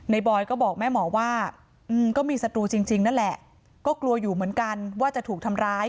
บอยก็บอกแม่หมอว่าก็มีศัตรูจริงนั่นแหละก็กลัวอยู่เหมือนกันว่าจะถูกทำร้าย